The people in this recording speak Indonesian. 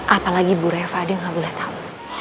apalagi bu reva dia nggak boleh tau